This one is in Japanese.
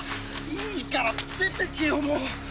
いいから出てけよもう。